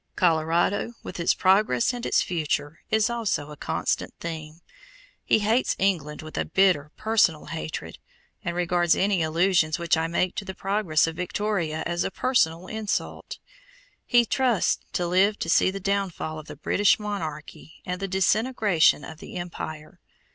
Colorado, with its progress and its future, is also a constant theme. He hates England with a bitter, personal hatred, and regards any allusions which I make to the progress of Victoria as a personal insult. He trusts to live to see the downfall of the British monarchy and the disintegration of the empire.